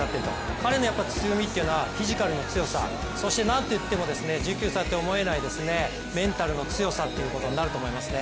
彼の強みというのはフィジカルの強さ、そしてなんといっても１９歳と思えないメンタルの強さってことになると思いますね。